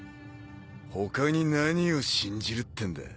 他に何を信じるってんだ。